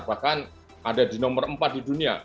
bahkan ada di nomor empat di dunia